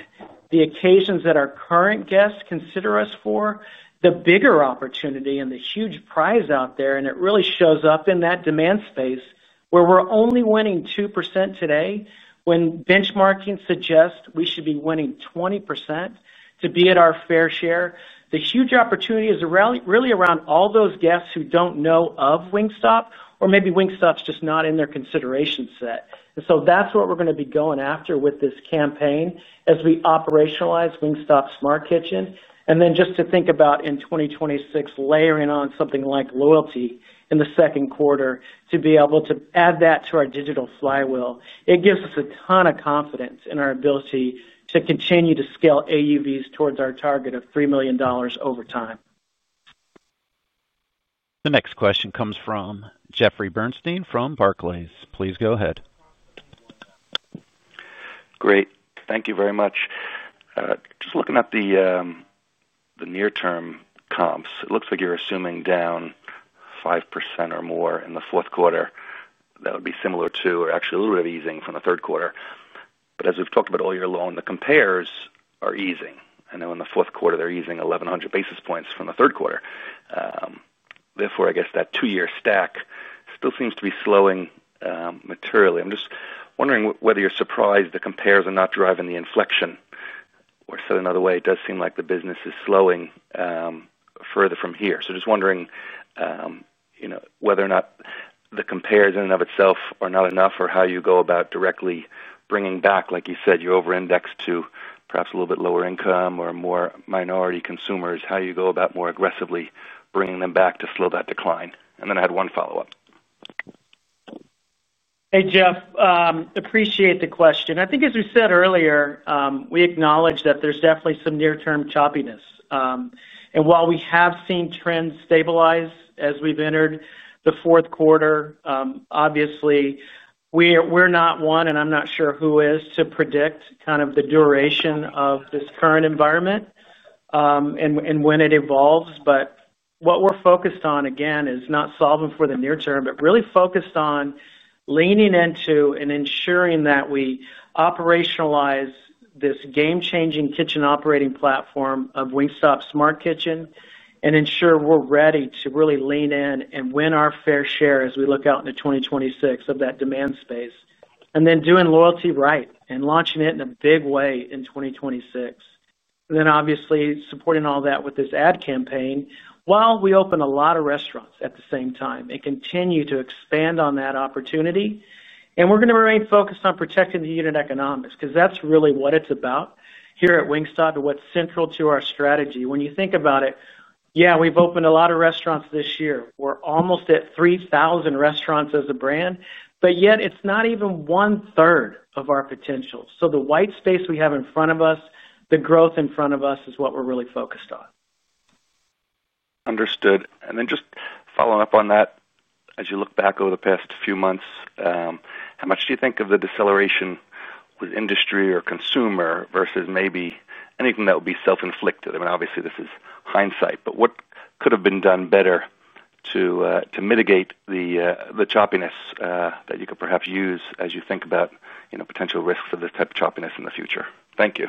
the occasions that our current guests consider us for, the bigger opportunity and the huge prize out there, and it really shows up in that demand space where we're only winning 2% today when benchmarking suggests we should be winning 20% to be at our fair share. The huge opportunity is really around all those guests who don't know of Wingstop or maybe Wingstop's just not in their consideration set. And so that's what we're going to be going after with this campaign as we operationalize Wingstop Smart Kitchen. And then just to think about in 2026, layering on something like loyalty in the second quarter to be able to add that to our digital flywheel, it gives us a ton of confidence in our ability to continue to scale AUVs towards our target of $3 million over time. The next question comes from Jeffrey Bernstein from Barclays. Please go ahead. Great. Thank you very much. Just looking at the near-term comps, it looks like you're assuming down 5% or more in the fourth quarter. That would be similar to, or actually a little bit of easing from the third quarter. But as we've talked about earlier along, the compares are easing. I know in the fourth quarter, they're easing 1,100 basis points from the third quarter. Therefore, I guess that two-year stack still seems to be slowing materially. I'm just wondering whether you're surprised the compares are not driving the inflection. Or said another way, it does seem like the business is slowing further from here. So just wondering whether or not the compares in and of itself are not enough or how you go about directly bringing back, like you said, you over-index to perhaps a little bit lower income or more minority consumers, how you go about more aggressively bringing them back to slow that decline. And then I had one follow-up. Hey, Jeff, appreciate the question. I think as we said earlier, we acknowledge that there's definitely some near-term choppiness. And while we have seen trends stabilize as we've entered the fourth quarter, obviously. We're not one, and I'm not sure who is, to predict kind of the duration of this current environment and when it evolves. But what we're focused on, again, is not solving for the near term, but really focused on leaning into and ensuring that we operationalize this game-changing kitchen operating platform of Wingstop Smart Kitchen and ensure we're ready to really lean in and win our fair share as we look out into 2026 of that demand space. And then doing loyalty right and launching it in a big way in 2026. Then obviously supporting all that with this ad campaign while we open a lot of restaurants at the same time and continue to expand on that opportunity. And we're going to remain focused on protecting the unit economics because that's really what it's about here at Wingstop and what's central to our strategy. When you think about it, yeah, we've opened a lot of restaurants this year. We're almost at 3,000 restaurants as a brand, but yet it's not even one-third of our potential. So the white space we have in front of us, the growth in front of us is what we're really focused on. Understood. And then just following up on that, as you look back over the past few months, how much do you think of the deceleration with industry or consumer versus maybe anything that would be self-inflicted? I mean, obviously, this is hindsight, but what could have been done better to mitigate the choppiness that you could perhaps use as you think about potential risks of this type of choppiness in the future? Thank you.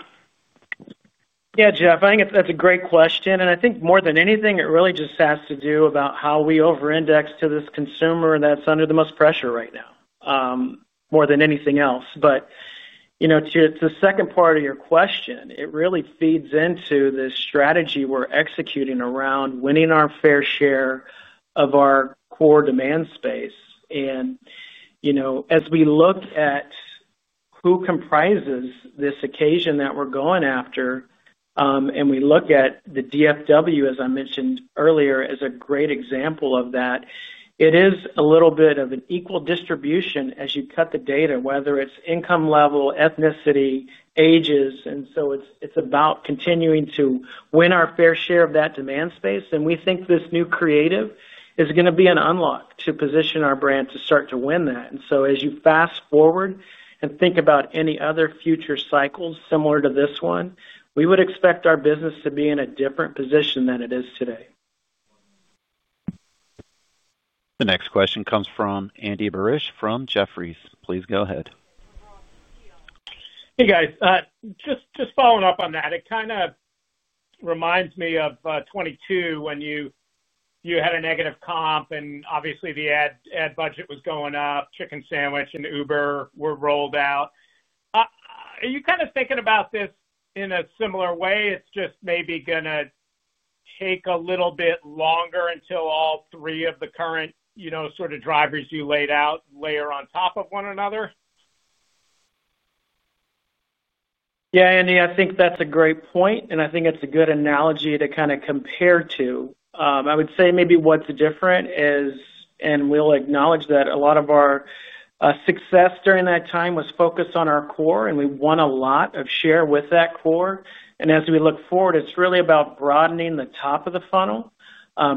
Yeah, Jeff, I think that's a great question. And I think more than anything, it really just has to do about how we over-index to this consumer that's under the most pressure right now. More than anything else. But to the second part of your question, it really feeds into the strategy we're executing around winning our fair share of our core demand space. And as we look at who comprises this occasion that we're going after and we look at the DFW, as I mentioned earlier, as a great example of that, it is a little bit of an equal distribution as you cut the data, whether it's income level, ethnicity, ages. And so it's about continuing to win our fair share of that demand space. And we think this new creative is going to be an unlock to position our brand to start to win that. And so as you fast forward and think about any other future cycles similar to this one, we would expect our business to be in a different position than it is today. The next question comes from Andy Barish from Jefferies. Please go ahead. Hey, guys. Just following up on that, it kind of reminds me of 2022 when you had a negative comp and obviously the ad budget was going up, chicken sandwich and Uber were rolled out. Are you kind of thinking about this in a similar way? It's just maybe going to take a little bit longer until all three of the current sort of drivers you laid out layer on top of one another? Yeah, Andy, I think that's a great point. And I think it's a good analogy to kind of compare to. I would say maybe what's different is, and we'll acknowledge that a lot of our. Success during that time was focused on our core, and we won a lot of share with that core. And as we look forward, it's really about broadening the top of the funnel,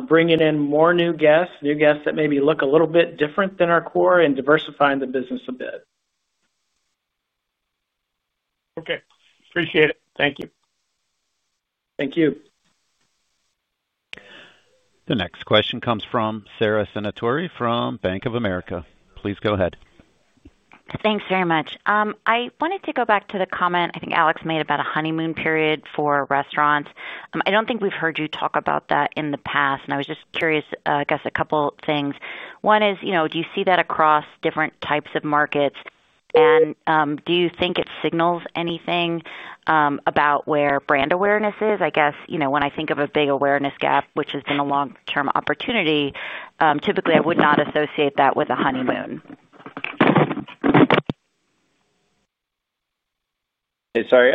bringing in more new guests, new guests that maybe look a little bit different than our core, and diversifying the business a bit. Okay. Appreciate it. Thank you. Thank you. The next question comes from Sara Senatore from Bank of America. Please go ahead. Thanks very much. I wanted to go back to the comment I think Alex made about a honeymoon period for restaurants. I don't think we've heard you talk about that in the past, and I was just curious, I guess, a couple of things. One is, do you see that across different types of markets? And do you think it signals anything about where brand awareness is? I guess when I think of a big awareness gap, which has been a long-term opportunity, typically I would not associate that with a honeymoon. Hey, sorry.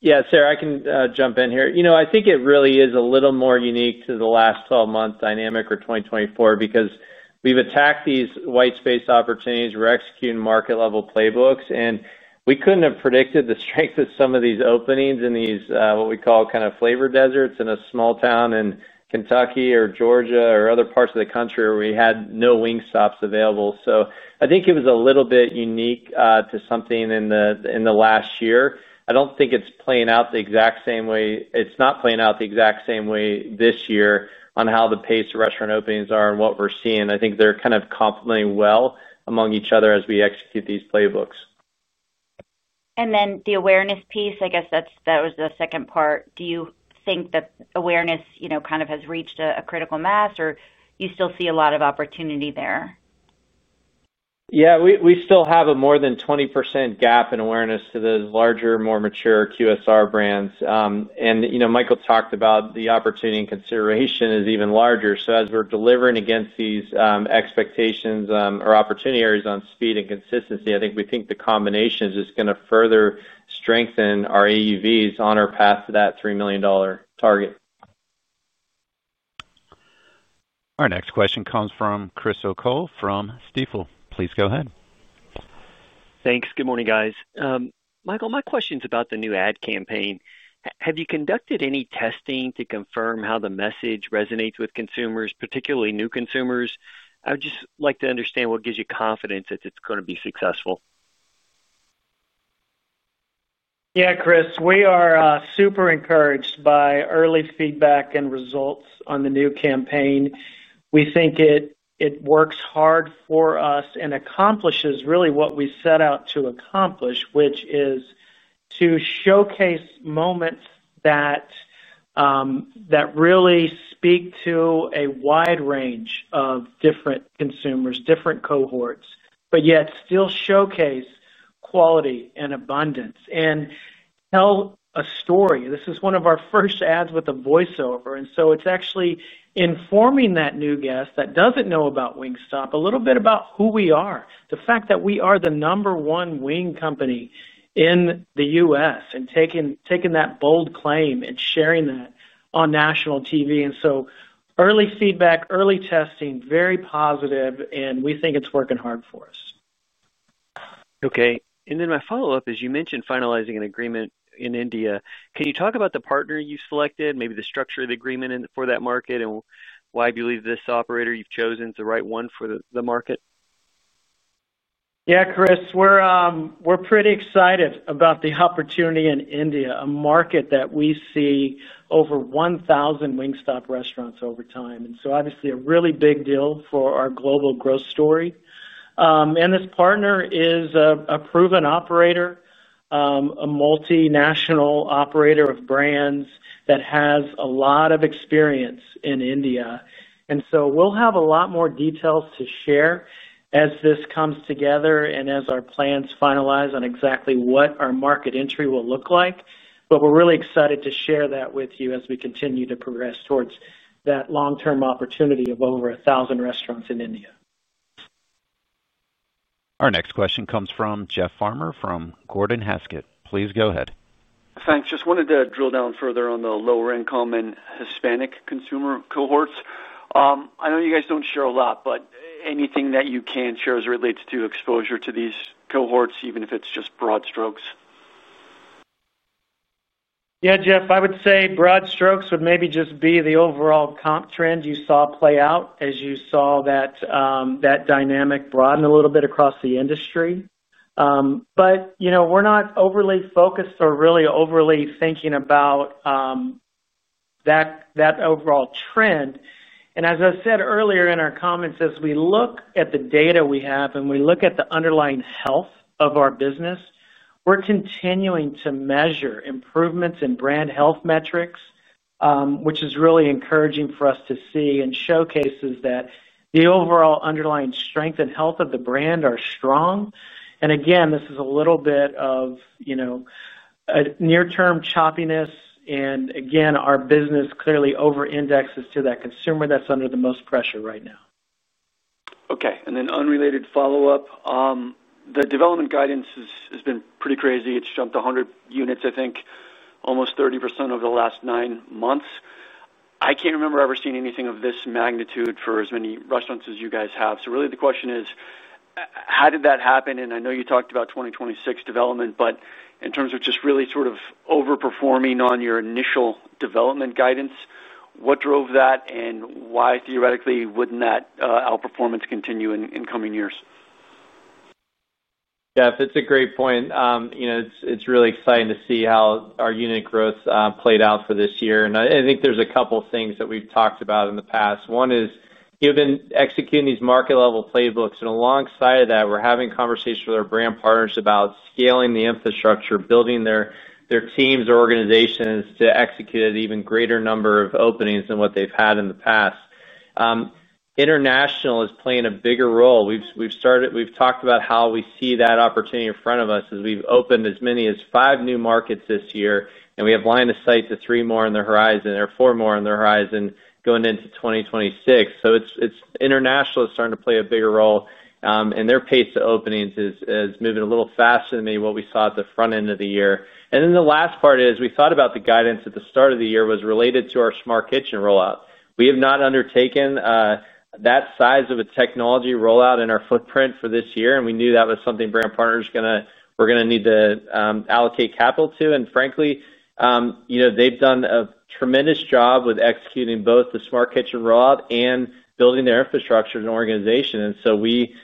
Yeah, Sarah, I can jump in here. I think it really is a little more unique to the last 12-month dynamic or 2024 because we've attacked these white space opportunities. We're executing market-level playbooks, and we couldn't have predicted the strength of some of these openings in these, what we call, kind of flavor deserts in a small town in Kentucky or Georgia or other parts of the country where we had no Wingstops available. So I think it was a little bit unique to something in the last year. I don't think it's playing out the exact same way. It's not playing out the exact same way this year on how the pace of restaurant openings are and what we're seeing. I think they're kind of complementing well among each other as we execute these playbooks. And then the awareness piece, I guess that was the second part. Do you think that awareness kind of has reached a critical mass, or do you still see a lot of opportunity there? Yeah, we still have a more than 20% gap in awareness to those larger, more mature QSR brands. And Michael talked about the opportunity and consideration is even larger. So as we're delivering against these expectations or opportunity areas on speed and consistency, I think we think the combination is just going to further strengthen our AUVs on our path to that $3 million target. Our next question comes from Chris O'Cull from Stifel. Please go ahead. Thanks. Good morning, guys. Michael, my question's about the new ad campaign. Have you conducted any testing to confirm how the message resonates with consumers, particularly new consumers? I would just like to understand what gives you confidence that it's going to be successful. Yeah, Chris, we are super encouraged by early feedback and results on the new campaign. We think it works hard for us and accomplishes really what we set out to accomplish, which is to showcase moments that really speak to a wide range of different consumers, different cohorts, but yet still showcase quality and abundance and tell a story. This is one of our first ads with a voiceover. And so it's actually informing that new guest that doesn't know about Wingstop a little bit about who we are, the fact that we are the number one wing company in the U.S. and taking that bold claim and sharing that on national TV. And so early feedback, early testing, very positive, and we think it's working hard for us. Okay. And then my follow-up is you mentioned finalizing an agreement in India. Can you talk about the partner you selected, maybe the structure of the agreement for that market, and why do you believe this operator you've chosen is the right one for the market? Yeah, Chris, we're pretty excited about the opportunity in India, a market that we see over 1,000 Wingstop restaurants over time. And so obviously, a really big deal for our global growth story. And this partner is a proven operator. A multinational operator of brands that has a lot of experience in India. And so we'll have a lot more details to share as this comes together and as our plans finalize on exactly what our market entry will look like. But we're really excited to share that with you as we continue to progress towards that long-term opportunity of over 1,000 restaurants in India. Our next question comes from Jeff Farmer from Gordon Haskett. Please go ahead. Thanks. Just wanted to drill down further on the lower-income and Hispanic consumer cohorts. I know you guys don't share a lot, but anything that you can share as it relates to exposure to these cohorts, even if it's just broad strokes? Yeah, Jeff, I would say broad strokes would maybe just be the overall comp trend you saw play out as you saw that dynamic broaden a little bit across the industry. But we're not overly focused or really overly thinking about that overall trend. And as I said earlier in our comments, as we look at the data we have and we look at the underlying health of our business, we're continuing to measure improvements in brand health metrics, which is really encouraging for us to see and showcases that the overall underlying strength and health of the brand are strong. And again, this is a little bit of near-term choppiness. And again, our business clearly over-indexes to that consumer that's under the most pressure right now. Okay. And then unrelated follow-up. The development guidance has been pretty crazy. It's jumped 100 units, I think, almost 30% over the last nine months. I can't remember ever seeing anything of this magnitude for as many restaurants as you guys have. So really, the question is. How did that happen? And I know you talked about 2026 development, but in terms of just really sort of overperforming on your initial development guidance, what drove that and why theoretically wouldn't that outperformance continue in coming years? Yeah, it's a great point. It's really exciting to see how our unit growth played out for this year. And I think there's a couple of things that we've talked about in the past. One is you've been executing these market-level playbooks. And alongside of that, we're having conversations with our brand partners about scaling the infrastructure, building their teams or organizations to execute an even greater number of openings than what they've had in the past. International is playing a bigger role. We've talked about how we see that opportunity in front of us as we've opened as many as five new markets this year, and we have lined up sites for three more on the horizon or four more on the horizon going into 2026. So international is starting to play a bigger role, and their pace to openings is moving a little faster than maybe what we saw at the front end of the year. And then the last part is we thought about the guidance at the start of the year was related to our smart kitchen rollout. We have not undertaken that size of a technology rollout in our footprint for this year, and we knew that was something brand partners were going to need to allocate capital to. And frankly. They've done a tremendous job with executing both the smart kitchen rollout and building their infrastructure and organization. And so we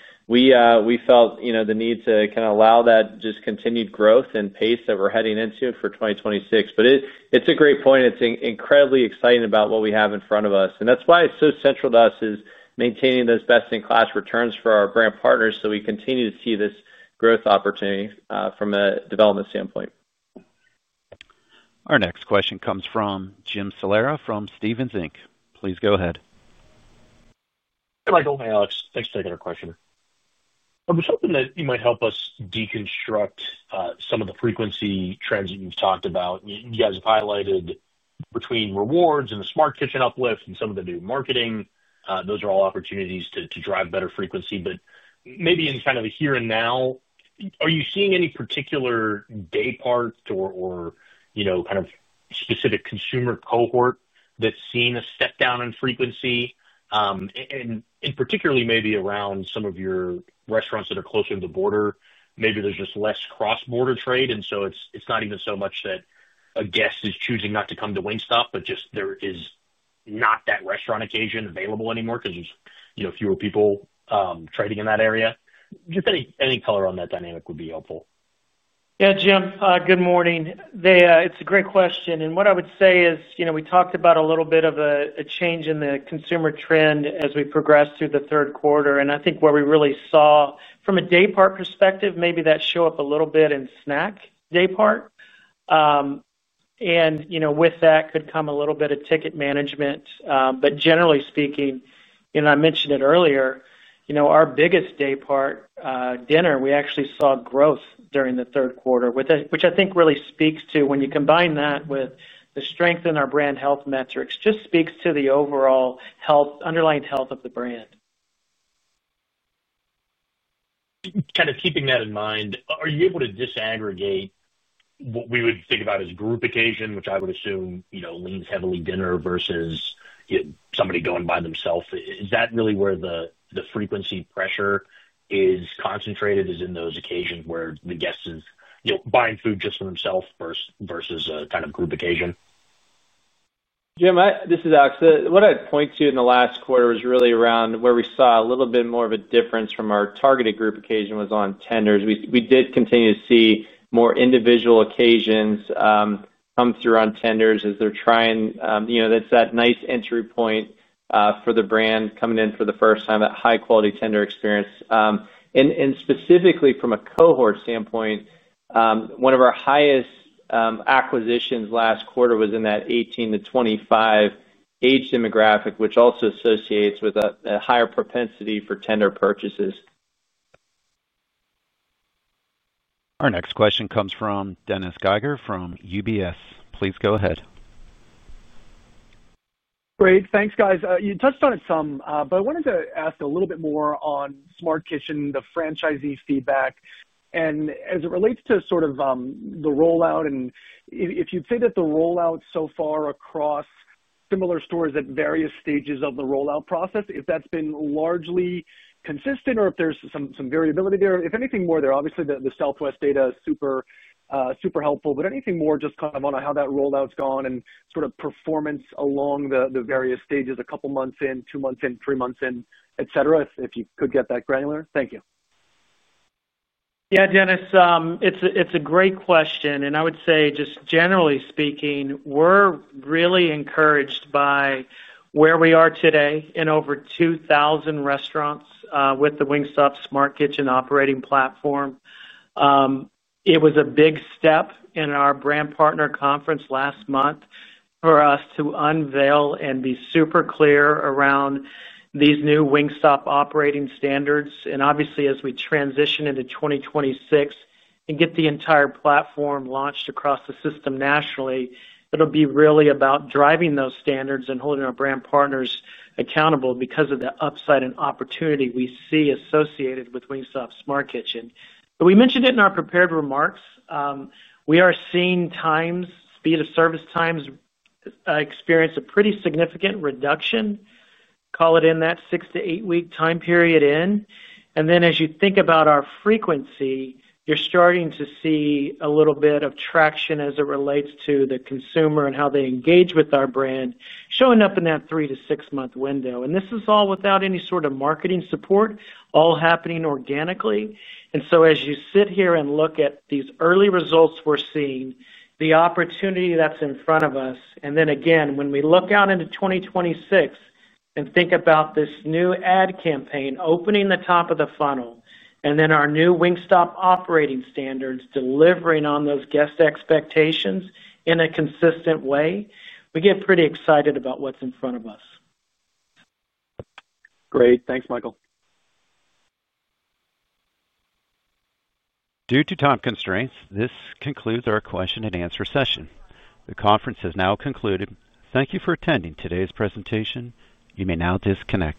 felt the need to kind of allow that just continued growth and pace that we're heading into for 2026. But it's a great point. It's incredibly exciting about what we have in front of us. And that's why it's so central to us is maintaining those best-in-class returns for our brand partners so we continue to see this growth opportunity from a development standpoint. Our next question comes from James Salera from Stephens Inc. Please go ahead. Hi, Michael. Hi, Alex. Thanks for taking our question. Something that you might help us deconstruct some of the frequency trends that you've talked about. You guys have highlighted between rewards and the smart kitchen uplift and some of the new marketing. Those are all opportunities to drive better frequency. But maybe in kind of the here and now, are you seeing any particular daypart or kind of specific consumer cohort that's seeing a step down in frequency? And particularly, maybe around some of your restaurants that are closer to the border, maybe there's just less cross-border trade. And so it's not even so much that a guest is choosing not to come to Wingstop, but just there is not that restaurant occasion available anymore because there's fewer people traveling in that area. Just any color on that dynamic would be helpful. Yeah, Jim. Good morning. It's a great question. And what I would say is we talked about a little bit of a change in the consumer trend as we progressed through the third quarter. And I think where we really saw from a daypart perspective, maybe that show up a little bit in snack daypart. And with that could come a little bit of ticket management. But generally speaking, and I mentioned it earlier, our biggest daypart dinner, we actually saw growth during the third quarter, which I think really speaks to when you combine that with the strength in our brand health metrics, just speaks to the overall underlying health of the brand. Kind of keeping that in mind, are you able to disaggregate what we would think about as group occasion, which I would assume leans heavily dinner versus somebody going by themselves? Is that really where the frequency pressure is concentrated? Is in those occasions where the guest is buying food just for themselves versus a kind of group occasion? Jim, this is Alex. What I'd point to in the last quarter is really around where we saw a little bit more of a difference from our targeted group occasion was on tenders. We did continue to see more individual occasions come through on tenders as they're trying. That's that nice entry point for the brand coming in for the first time, that high-quality tender experience. And specifically from a cohort standpoint, one of our highest acquisitions last quarter was in that 18-25 age demographic, which also associates with a higher propensity for tender purchases. Our next question comes from Dennis Geiger from UBS. Please go ahead. Great. Thanks, guys. You touched on it some, but I wanted to ask a little bit more on Smart Kitchen, the franchisee feedback. And as it relates to sort of the rollout, and if you'd say that the rollout so far across similar stores at various stages of the rollout process, if that's been largely consistent or if there's some variability there, if anything more, obviously the Southwest data is super helpful. But anything more just kind of on how that rollout's gone and sort of performance along the various stages, a couple of months in, two months in, three months in, etc., if you could get that granular. Thank you. Yeah, Dennis, it's a great question. And I would say just generally speaking, we're really encouraged by where we are today in over 2,000 restaurants with the Wingstop Smart Kitchen operating platform. It was a big step in our brand partner conference last month for us to unveil and be super clear around these new Wingstop operating standards, and obviously, as we transition into 2026 and get the entire platform launched across the system nationally, it'll be really about driving those standards and holding our brand partners accountable because of the upside and opportunity we see associated with Wingstop Smart Kitchen. But we mentioned it in our prepared remarks. We are seeing times, speed of service times, experience a pretty significant reduction, call it in that six- to eight-week time period in, and then as you think about our frequency, you're starting to see a little bit of traction as it relates to the consumer and how they engage with our brand showing up in that three- to six-month window, and this is all without any sort of marketing support, all happening organically, and so as you sit here and look at these early results we're seeing, the opportunity that's in front of us, and then again, when we look out into 2026 and think about this new ad campaign opening the top of the funnel, and then our new Wingstop operating standards delivering on those guest expectations in a consistent way, we get pretty excited about what's in front of us. Great. Thanks, Michael. Due to time constraints, this concludes our question and answer session. The conference has now concluded. Thank you for attending today's presentation. You may now disconnect.